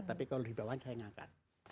tapi kalau di bawahnya saya yang angkat